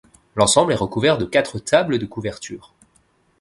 L'ensemble est recouvert de quatre tables de couverture.